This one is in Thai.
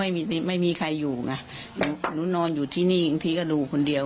ไม่มีใครอยู่ไงหนูนอนอยู่ที่นี่บางทีก็ดูคนเดียว